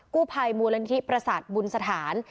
กู้ภัยมูลนิธิประสาทบุญสถาน